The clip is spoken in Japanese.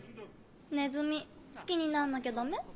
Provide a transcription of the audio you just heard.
ネズミ好きになんなきゃダメ？